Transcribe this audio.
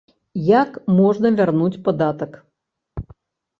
Як можна вярнуць падатак?